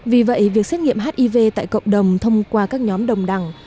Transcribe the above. vì vậy việc xét nghiệm hiv tại cộng đồng thông qua các nhóm đồng đẳng